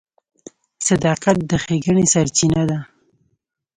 • صداقت د ښېګڼې سرچینه ده.